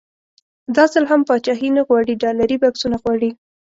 دا ځل هم پاچاهي نه غواړي ډالري بکسونه غواړي.